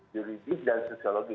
juridik dan sisiologi